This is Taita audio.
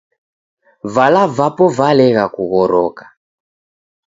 Vala vapo valegha kughproka